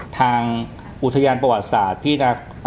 ทางอุทยานประวัติศาสตร์ที่จะ